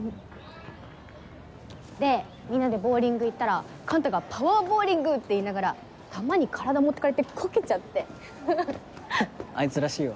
でみんなでボーリング行ったら幹太が「パワーボーリング」って言いながら球に体持ってかれてコケちゃって。あいつらしいわ。